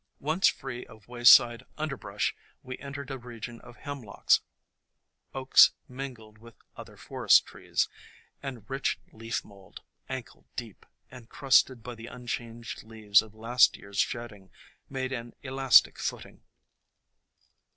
Once free of wayside underbrush we entered a region of Hemlocks, Oaks mingled with other forest trees, and rich leaf mould, ankle deep, and crusted by the unchanged leaves of last year's shedding, made an elastic footing.